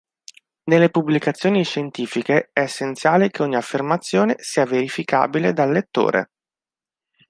Nelle pubblicazioni scientifiche è essenziale che ogni affermazione sia verificabile dal lettore.